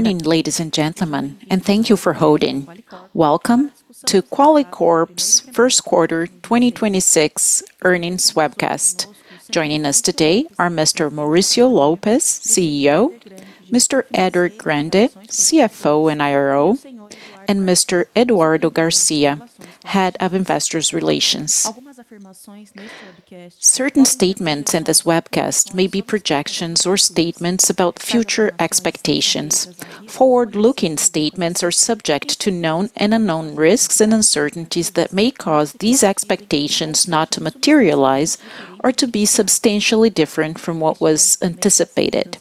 Morning, ladies and gentlemen, thank you for holding. Welcome to Qualicorp's first quarter 2026 earnings webcast. Joining us today are Mr. Mauricio Lopes, CEO, Mr. Eder Grande, CFO and IRO, and Mr. Eduardo Garcia, Head of Investors Relations. Certain statements in this webcast may be projections or statements about future expectations. Forward-looking statements are subject to known and unknown risks and uncertainties that may cause these expectations not to materialize or to be substantially different from what was anticipated.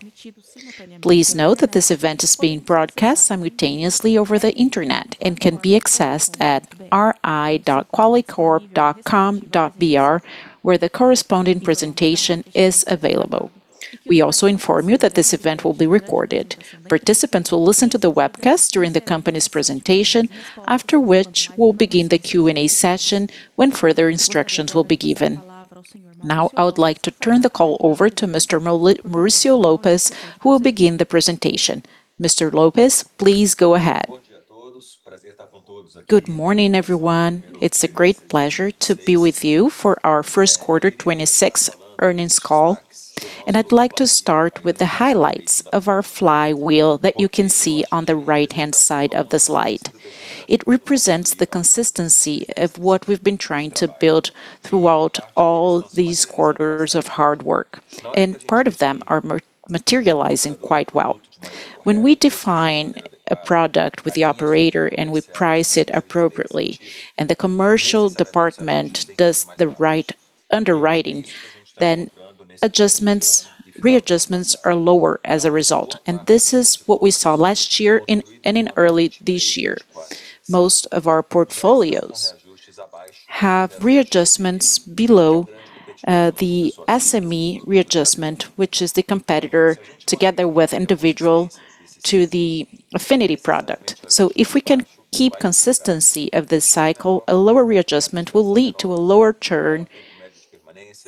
Please note that this event is being broadcast simultaneously over the Internet and can be accessed at ri.qualicorp.com.br, where the corresponding presentation is available. We also inform you that this event will be recorded. Participants will listen to the webcast during the company's presentation, after which we'll begin the Q&A session when further instructions will be given. Now, I would like to turn the call over to Mr. Mauricio Lopes, who will begin the presentation. Mr. Lopes, please go ahead. Good morning, everyone. It's a great pleasure to be with you for our first quarter 2026 earnings call, and I'd like to start with the highlights of our flywheel that you can see on the right-hand side of the slide. It represents the consistency of what we've been trying to build throughout all these quarters of hard work, and part of them are materializing quite well. When we define a product with the operator and we price it appropriately, and the commercial department does the right underwriting, then adjustments, readjustments are lower as a result. This is what we saw last year and in early this year. Most of our portfolios have readjustments below the SME readjustment, which is the competitor together with individual to the Affinity product. If we can keep consistency of this cycle, a lower readjustment will lead to a lower churn,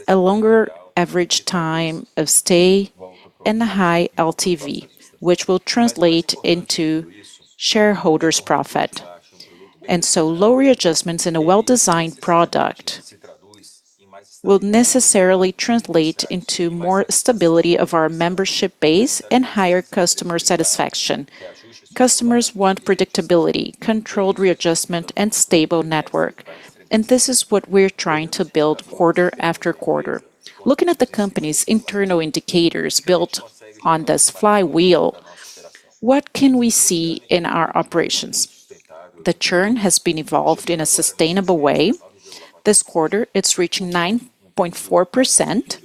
a longer average time of stay and a high LTV, which will translate into shareholders' profit. Low readjustments in a well-designed product will necessarily translate into more stability of our membership base and higher customer satisfaction. Customers want predictability, controlled readjustment, and stable network. This is what we're trying to build quarter after quarter. Looking at the company's internal indicators built on this flywheel, what can we see in our operations? The churn has been evolved in a sustainable way. This quarter, it's reaching 9.4%,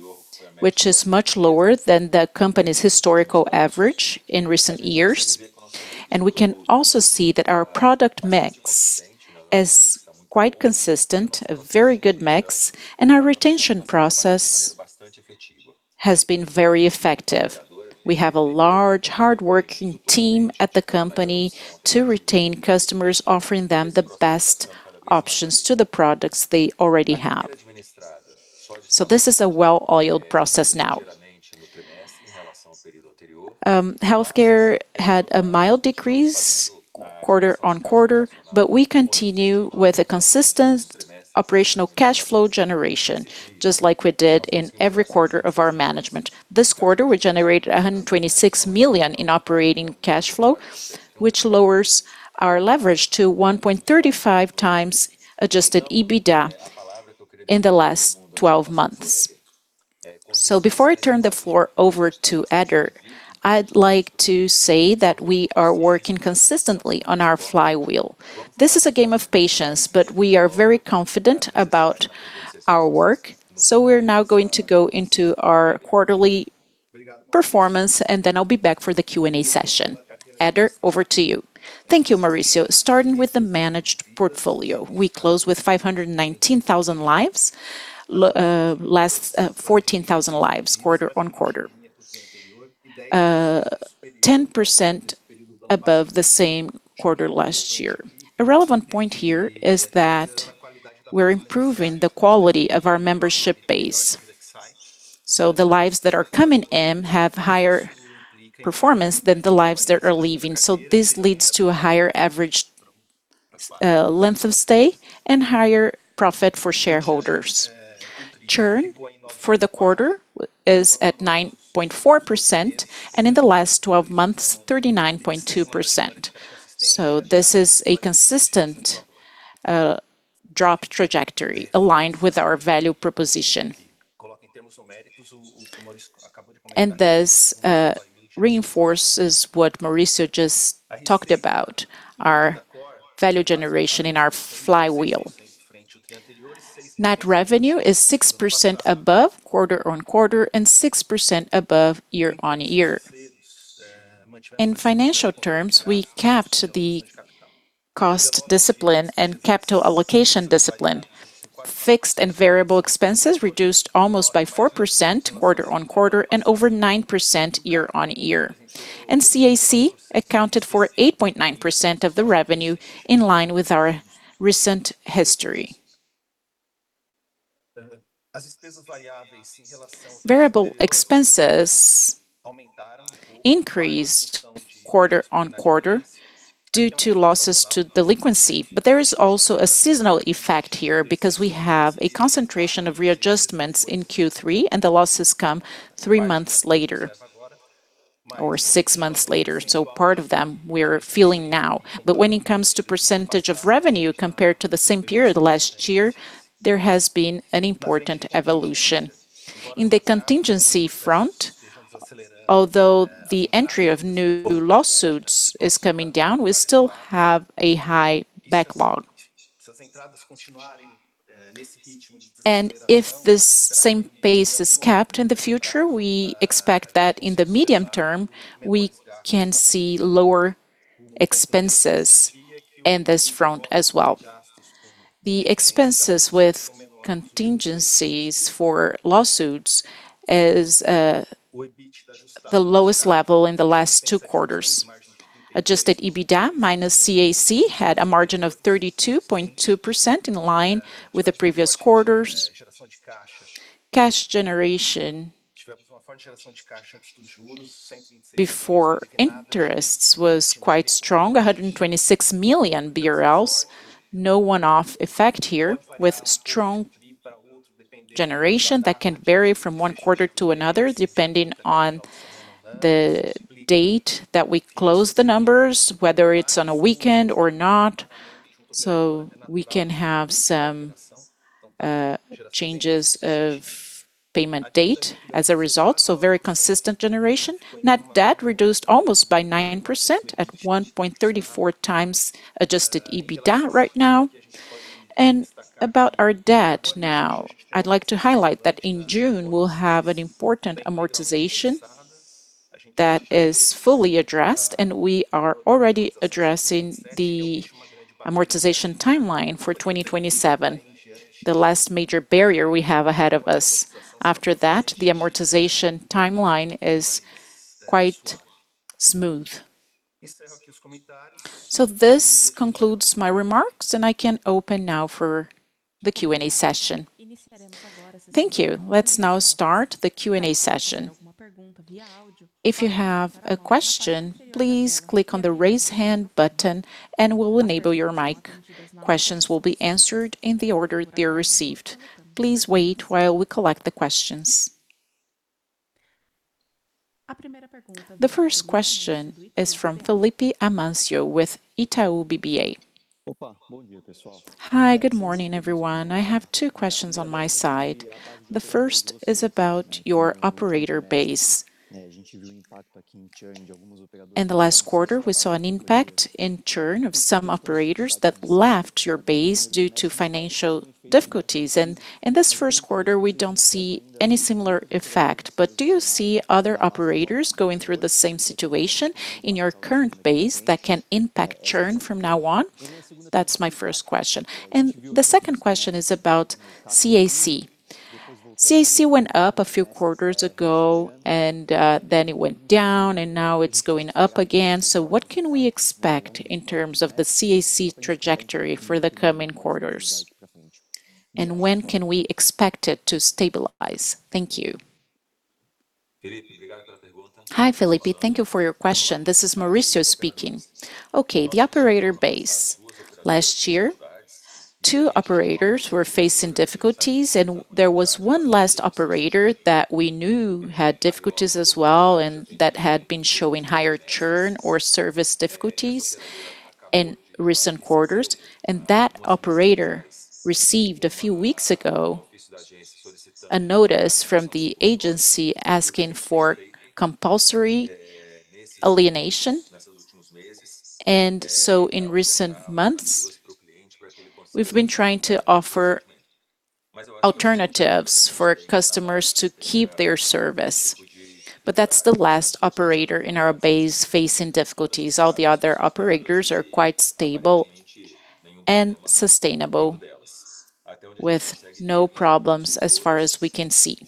which is much lower than the company's historical average in recent years. We can also see that our product mix is quite consistent, a very good mix, and our retention process has been very effective. We have a large, hardworking team at the company to retain customers, offering them the best options to the products they already have. This is a well-oiled process now. Healthcare had a mild decrease quarter-on-quarter, but we continue with a consistent operational cash flow generation, just like we did in every quarter of our management. This quarter, we generated 126 million in operating cash flow, which lowers our leverage to 1.35x adjusted EBITDA in the last 12 months. Before I turn the floor over to Eder, I'd like to say that we are working consistently on our flywheel. This is a game of patience, but we are very confident about our work. We're now going to go into our quarterly performance, and then I'll be back for the Q&A session. Eder, over to you. Thank you, Mauricio. Starting with the managed portfolio, we closed with 519,000 lives, less 14,000 lives quarter-on-quarter. 10% above the same quarter last year. A relevant point here is that we're improving the quality of our membership base. The lives that are coming in have higher performance than the lives that are leaving. This leads to a higher average length of stay and higher profit for shareholders. Churn for the quarter is at 9.4%, and in the last 12 months, 39.2%. This is a consistent drop trajectory aligned with our value proposition. This reinforces what Mauricio just talked about, our value generation in our flywheel. Net revenue is 6% above quarter-on-quarter and 6% above year-on-year. In financial terms, we kept the cost discipline and capital allocation discipline. Fixed and variable expenses reduced almost by 4% quarter-on-quarter and over 9% year-on-year. CAC accounted for 8.9% of the revenue in line with our recent history. Variable expenses increased quarter-on-quarter due to losses to delinquency. There is also a seasonal effect here because we have a concentration of readjustments in Q3, and the losses come three months later or six months later. Part of them we are feeling now. When it comes to percentage of revenue compared to the same period last year, there has been an important evolution. In the contingency front, although the entry of new lawsuits is coming down, we still have a high backlog. If this same pace is kept in the future, we expect that in the medium term, we can see lower expenses in this front as well. The expenses with contingencies for lawsuits is the lowest level in the last two quarters. Adjusted EBITDA minus CAC had a margin of 32.2% in line with the previous quarters. Cash generation before interests was quite strong, 126 million BRL. No one-off effect here with strong generation that can vary from one quarter to another, depending on the date that we close the numbers, whether it's on a weekend or not. We can have some changes of payment date as a result. Very consistent generation. Net debt reduced almost by 9% at 1.34x adjusted EBITDA right now. About our debt now, I'd like to highlight that in June, we'll have an important amortization that is fully addressed, and we are already addressing the amortization timeline for 2027, the last major barrier we have ahead of us. After that, the amortization timeline is quite smooth. This concludes my remarks, and I can open now for the Q&A session. Thank you. Let's now start the Q&A session. If you have a question, please click on the Raise Hand button, and we'll enable your mic. Questions will be answered in the order they're received. Please wait while we collect the questions. The first question is from Felipe Amancio with Itaú BBA. Hi, good morning, everyone. I have two questions on my side. The first is about your operator base. In the last quarter, we saw an impact in churn of some operators that left your base due to financial difficulties. In this first quarter, we don't see any similar effect. Do you see other operators going through the same situation in your current base that can impact churn from now on? That's my first question. The second question is about CAC. CAC went up a few quarters ago, and then it went down, and now it's going up again. What can we expect in terms of the CAC trajectory for the coming quarters? When can we expect it to stabilize? Thank you. Hi, Felipe. Thank you for your question. This is Mauricio speaking. Okay, the operator base. Last year, two operators were facing difficulties, and there was one last operator that we knew had difficulties as well and that had been showing higher churn or service difficulties in recent quarters. That operator received a few weeks ago a notice from the agency asking for compulsory portfolio transfer. In recent months, we've been trying to offer alternatives for customers to keep their service. That's the last operator in our base facing difficulties. All the other operators are quite stable and sustainable with no problems as far as we can see.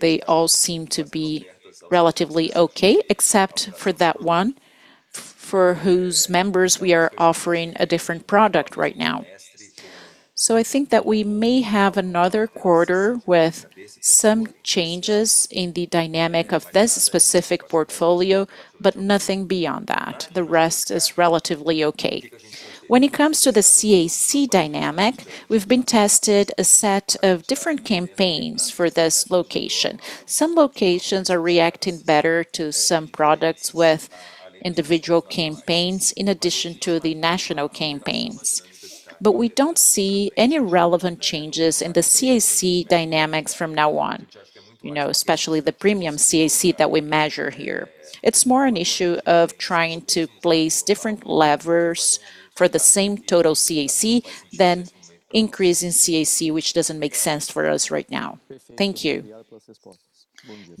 They all seem to be relatively okay, except for that one for whose members we are offering a different product right now. I think that we may have another quarter with some changes in the dynamic of this specific portfolio, but nothing beyond that. The rest is relatively okay. When it comes to the CAC dynamic, we've been tested a set of different campaigns for this location. Some locations are reacting better to some products with individual campaigns in addition to the national campaigns. We don't see any relevant changes in the CAC dynamics from now on, you know, especially the premium CAC that we measure here. It's more an issue of trying to place different levers for the same total CAC than increasing CAC, which doesn't make sense for us right now. Thank you.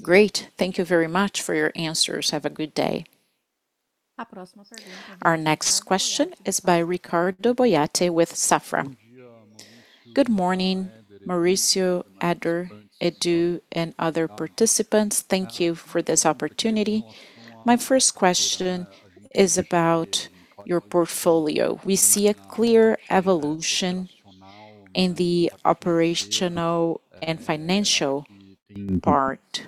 Great. Thank you very much for your answers. Have a good day. Our next question is by Ricardo Boiati with Safra. Good morning, Mauricio, Eder, Edu, and other participants. Thank you for this opportunity. My first question is about your portfolio. We see a clear evolution in the operational and financial part.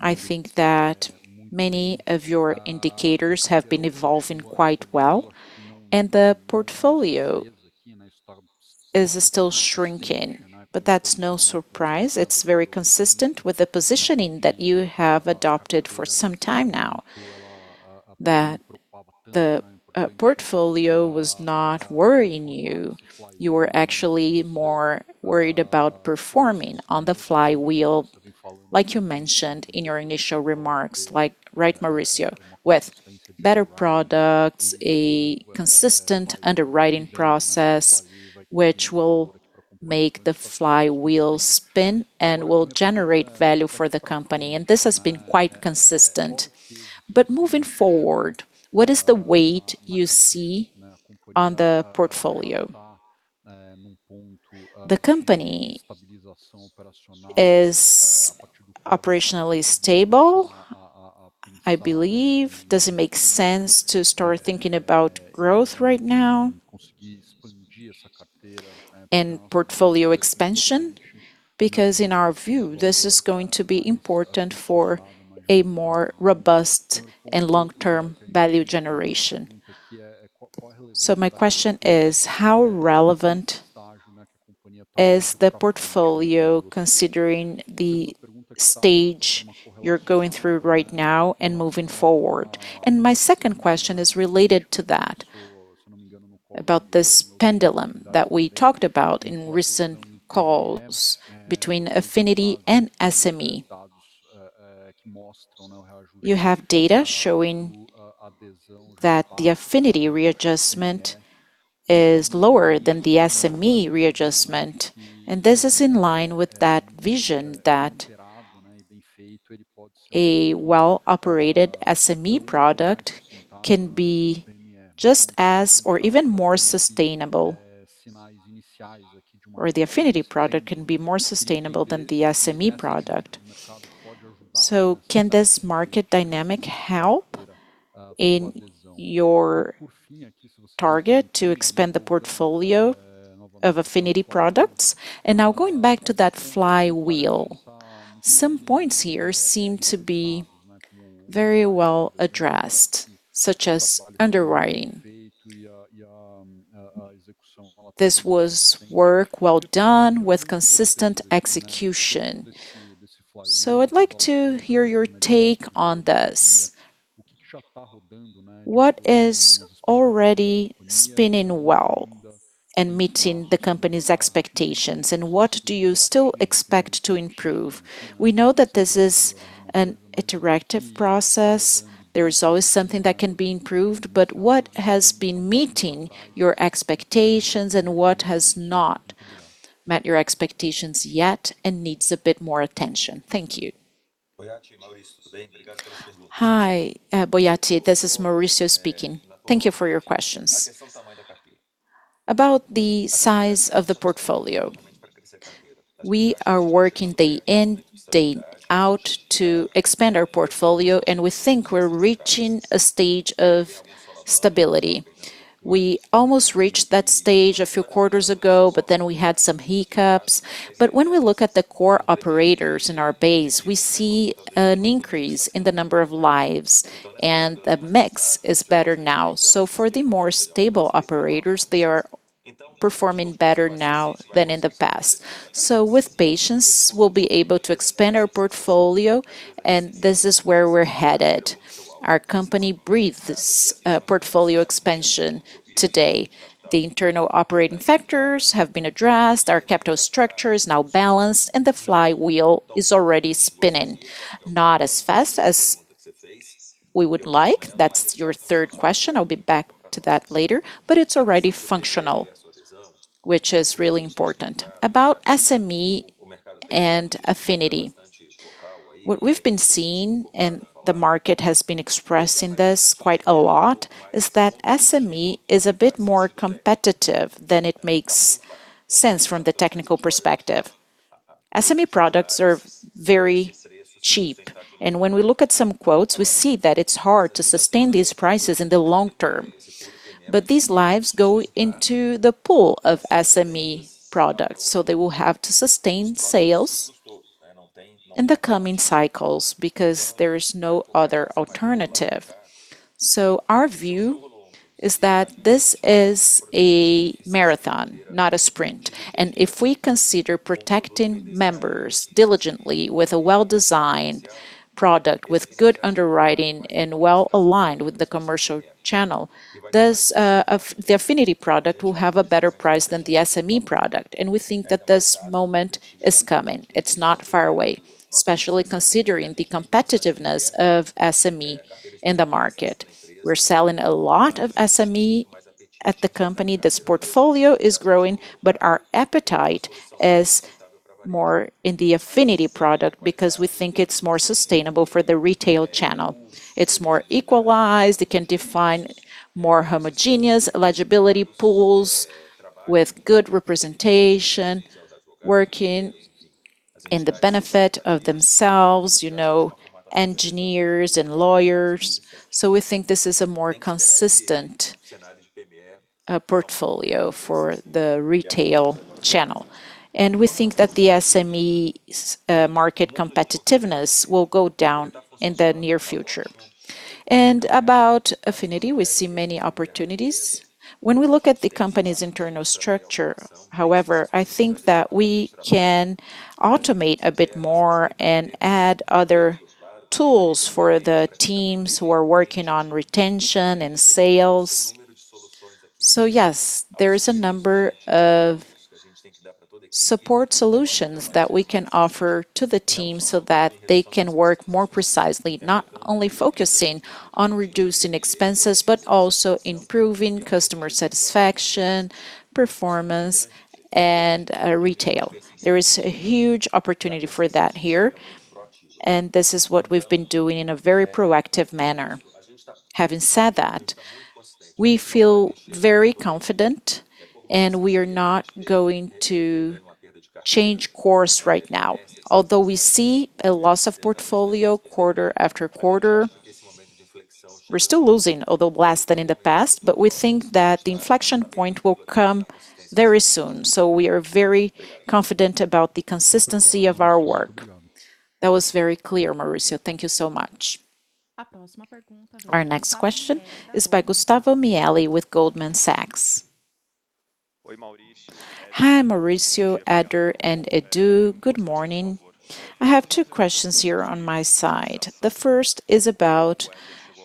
I think that many of your indicators have been evolving quite well, and the portfolio is still shrinking. That's no surprise. It's very consistent with the positioning that you have adopted for some time now, that the portfolio was not worrying you. You were actually more worried about performing on the flywheel, like you mentioned in your initial remarks. Like, right, Mauricio, with better products, a consistent underwriting process, which will make the flywheel spin and will generate value for the company, and this has been quite consistent. Moving forward, what is the weight you see on the portfolio? The company is operationally stable, I believe. Does it make sense to start thinking about growth right now and portfolio expansion? In our view, this is going to be important for a more robust and long-term value generation. My question is: How relevant is the portfolio considering the stage you're going through right now and moving forward? My second question is related to that, about this pendulum that we talked about in recent calls between Affinity and SME. You have data showing that the Affinity readjustment is lower than the SME readjustment, and this is in line with that vision that a well-operated SME product can be just as or even more sustainable, or the Affinity product can be more sustainable than the SME product. Can this market dynamic help in your target to expand the portfolio of Affinity products? Now going back to that flywheel, some points here seem to be very well addressed, such as underwriting. This was work well done with consistent execution. I'd like to hear your take on this. What is already spinning well and meeting the company's expectations, and what do you still expect to improve? We know that this is an iterative process. There is always something that can be improved, what has been meeting your expectations and what has not met your expectations yet and needs a bit more attention? Thank you. Hi, Boiati. This is Mauricio speaking. Thank you for your questions. About the size of the portfolio, we are working day in, day out to expand our portfolio, and we think we're reaching a stage of stability. We almost reached that stage a few quarters ago, then we had some hiccups. When we look at the core operators in our base, we see an increase in the number of lives, and the mix is better now. For the more stable operators, they are performing better now than in the past. With patience, we'll be able to expand our portfolio, and this is where we're headed. Our company breathes portfolio expansion today. The internal operating factors have been addressed, our capital structure is now balanced, and the flywheel is already spinning. Not as fast as we would like. That's your third question. I'll be back to that later. It's already functional, which is really important. About SME and Affinity, what we've been seeing, and the market has been expressing this quite a lot, is that SME is a bit more competitive than it makes sense from the technical perspective. SME products are very cheap, and when we look at some quotes, we see that it's hard to sustain these prices in the long term. These lives go into the pool of SME products. They will have to sustain sales in the coming cycles because there is no other alternative. If we consider protecting members diligently with a well-designed product, with good underwriting and well aligned with the commercial channel, this Affinity product will have a better price than the SME product. We think that this moment is coming. It's not far away, especially considering the competitiveness of SME in the market. We're selling a lot of SME at the company. This portfolio is growing. Our appetite is more in the Affinity product because we think it's more sustainable for the retail channel. It's more equalized. It can define more homogeneous eligibility pools with good representation working in the benefit of themselves, you know, engineers and lawyers. We think this is a more consistent portfolio for the retail channel. We think that the SMEs market competitiveness will go down in the near future. About Affinity, we see many opportunities. When we look at the company's internal structure, however, I think that we can automate a bit more and add other tools for the teams who are working on retention and sales. Yes, there is a number of support solutions that we can offer to the team so that they can work more precisely, not only focusing on reducing expenses, but also improving customer satisfaction, performance, and retail. There is a huge opportunity for that here, and this is what we've been doing in a very proactive manner. Having said that, we feel very confident, and we are not going to change course right now. We see a loss of portfolio quarter-after-quarter, we're still losing, although less than in the past. We think that the inflection point will come very soon. We are very confident about the consistency of our work. That was very clear, Mauricio. Thank you so much. Our next question is by Gustavo Miele with Goldman Sachs. Hi, Mauricio, Eder, and Edu. Good morning. I have two questions here on my side. The first is about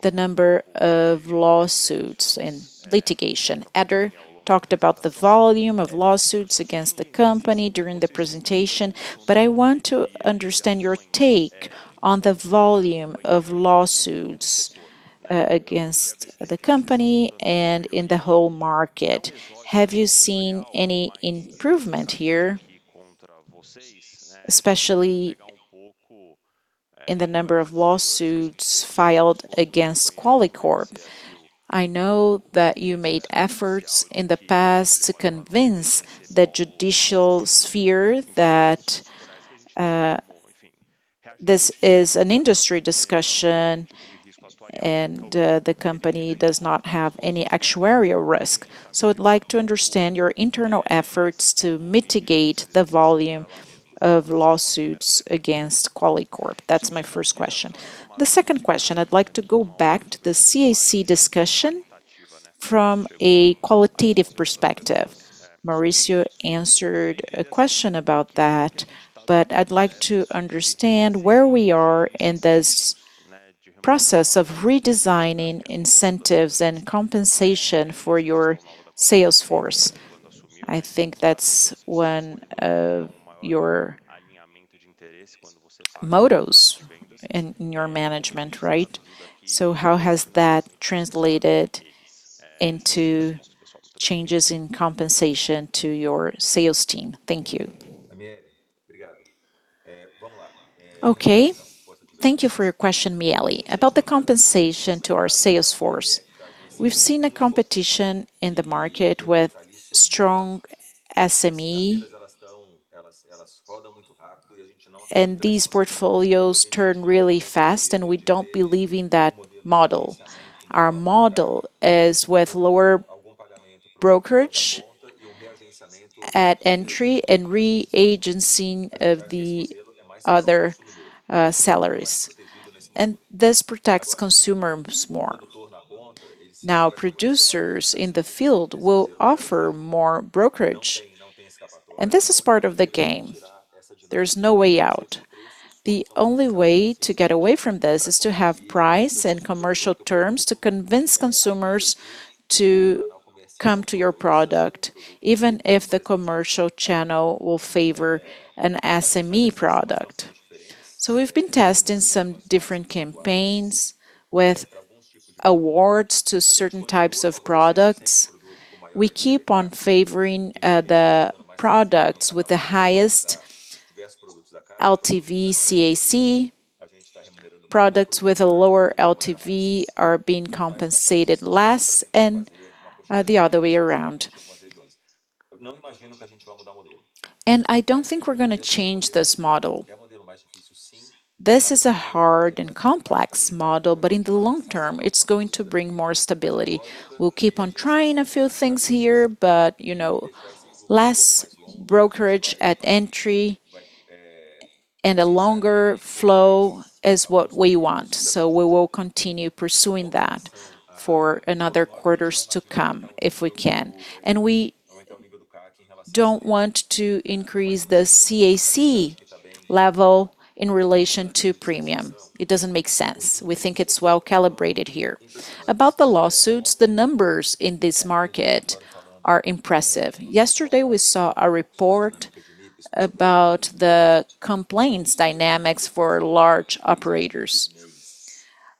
the number of lawsuits and litigation. Eder talked about the volume of lawsuits against the company during the presentation. I want to understand your take on the volume of lawsuits against the company and in the whole market. Have you seen any improvement here, especially in the number of lawsuits filed against Qualicorp? I know that you made efforts in the past to convince the judicial sphere that this is an industry discussion and the company does not have any actuarial risk. I'd like to understand your internal efforts to mitigate the volume of lawsuits against Qualicorp. That's my first question. The second question, I'd like to go back to the CAC discussion from a qualitative perspective. Mauricio answered a question about that. I'd like to understand where we are in this process of redesigning incentives and compensation for your sales force. I think that's one of your mottos in your management, right? How has that translated into changes in compensation to your sales team? Thank you. Okay. Thank you for your question, Miele. About the compensation to our sales force, we've seen a competition in the market with strong SME. These portfolios turn really fast. We don't believe in that model. Our model is with lower brokerage at entry and re-agencing of the other salaries. This protects consumers more. Producers in the field will offer more brokerage. This is part of the game. There's no way out. The only way to get away from this is to have price and commercial terms to convince consumers to come to your product, even if the commercial channel will favor an SME product. We've been testing some different campaigns with awards to certain types of products. We keep on favoring the products with the highest LTV CAC. Products with a lower LTV are being compensated less. The other way around. I don't think we're gonna change this model. This is a hard and complex model, but in the long term, it's going to bring more stability. We'll keep on trying a few things here, but, you know, less brokerage at entry and a longer flow is what we want. We will continue pursuing that for another quarters to come if we can. We don't want to increase the CAC level in relation to premium. It doesn't make sense. We think it's well-calibrated here. About the lawsuits, the numbers in this market are impressive. Yesterday, we saw a report about the complaints dynamics for large operators.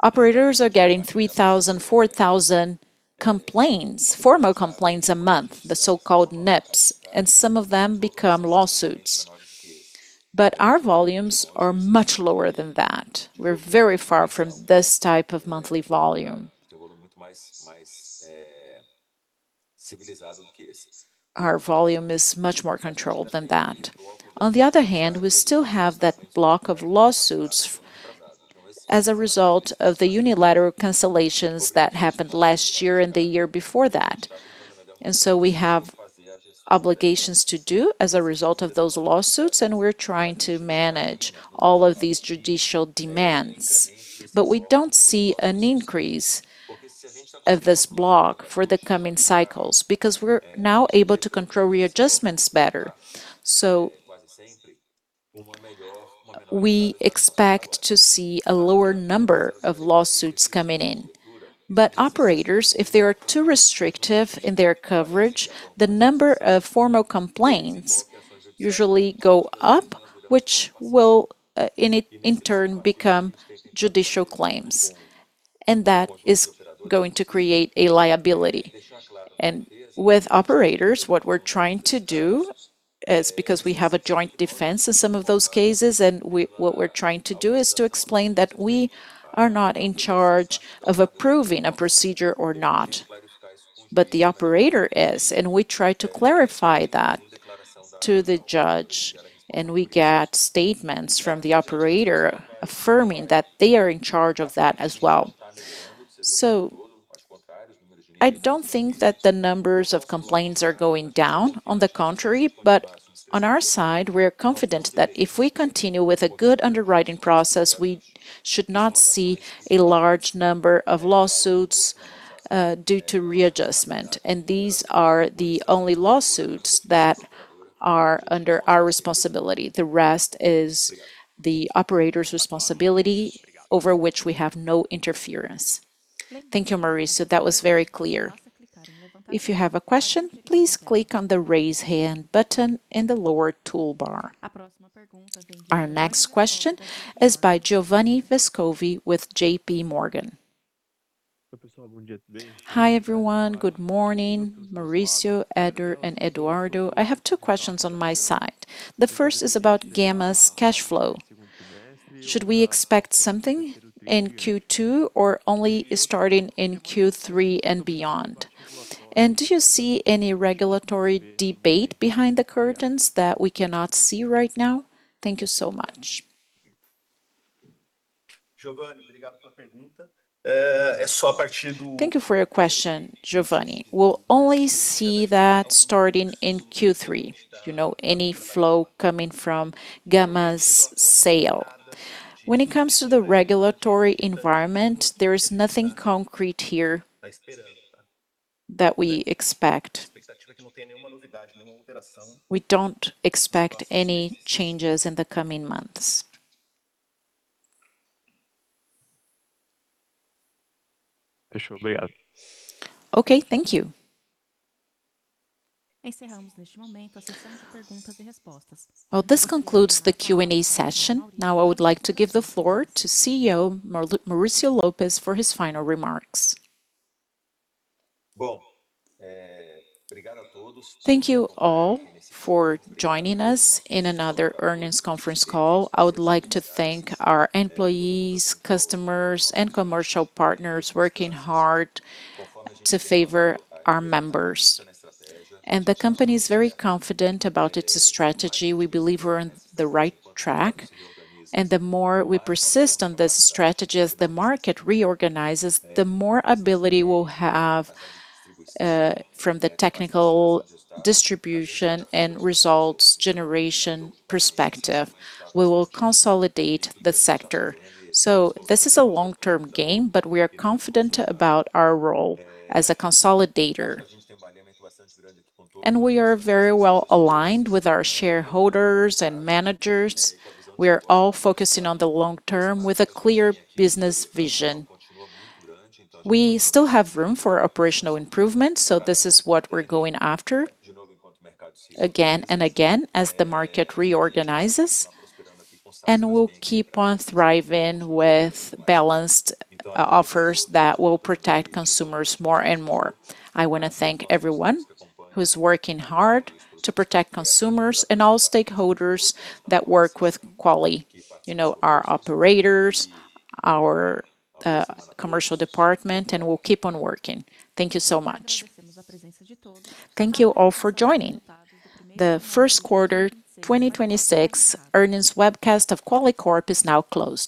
Operators are getting 3,000, 4,000 complaints, formal complaints a month, the so-called NIPs, and some of them become lawsuits. Our volumes are much lower than that. We're very far from this type of monthly volume. Our volume is much more controlled than that. On the other hand, we still have that block of lawsuits as a result of the unilateral cancellations that happened last year and the year before that. We have obligations to do as a result of those lawsuits, and we're trying to manage all of these judicial demands. We don't see an increase of this block for the coming cycles because we're now able to control readjustments better. We expect to see a lower number of lawsuits coming in. Operators, if they are too restrictive in their coverage, the number of formal complaints usually go up, which will in turn become judicial claims, and that is going to create a liability. With operators, what we're trying to do is because we have a joint defense in some of those cases, what we're trying to do is to explain that we are not in charge of approving a procedure or not, but the operator is, and we try to clarify that to the judge, and we get statements from the operator affirming that they are in charge of that as well. I don't think that the numbers of complaints are going down, on the contrary, but on our side, we're confident that if we continue with a good underwriting process, we should not see a large number of lawsuits due to readjustment. These are the only lawsuits that are under our responsibility. The rest is the operator's responsibility over which we have no interference. Thank you, Mauricio. That was very clear. If you have a question, please click on the Raise Hand button in the lower toolbar. Our next question is by Giovanni Vescovi with JPMorgan. Hi, everyone. Good morning, Mauricio, Eder, and Eduardo. I have two questions on my side. The first is about Gama's cash flow. Should we expect something in Q2 or only starting in Q3 and beyond? Do you see any regulatory debate behind the curtains that we cannot see right now? Thank you so much. Thank you for your question, Giovanni. We'll only see that starting in Q3, you know, any flow coming from Gama's sale. When it comes to the regulatory environment, there is nothing concrete here that we expect. We don't expect any changes in the coming months. Okay, thank you. Well, this concludes the Q&A session. I would like to give the floor to CEO Mauricio Lopes for his final remarks. Thank you all for joining us in another earnings conference call. I would like to thank our employees, customers, and commercial partners working hard to favor our members. The company is very confident about its strategy. We believe we're on the right track. The more we persist on this strategy as the market reorganizes, the more ability we'll have from the technical distribution and results generation perspective. We will consolidate the sector. This is a long-term game, but we are confident about our role as a consolidator. We are very well aligned with our shareholders and managers. We are all focusing on the long term with a clear business vision. We still have room for operational improvement, so this is what we're going after again and again as the market reorganizes, and we'll keep on thriving with balanced offers that will protect consumers more and more. I wanna thank everyone who's working hard to protect consumers and all stakeholders that work with Quali, you know, our operators, our commercial department, and we'll keep on working. Thank you so much. Thank you all for joining. The first quarter 2026 earnings webcast of Qualicorp is now closed.